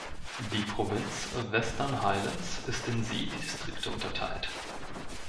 Die Provinz Western Highlands ist in sieben Distrikte unterteilt.